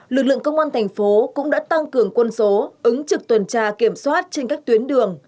lực lượng công an thành phố cũng đã tăng cường quân số ứng trực tuần tra kiểm soát trên các tuyến đường